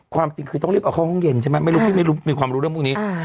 ความจริงคือต้องรีบเอาเข้าห้องเย็นใช่ไหมไม่รู้พี่ไม่รู้มีความรู้เรื่องพวกนี้